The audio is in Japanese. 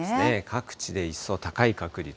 各地で高い確率。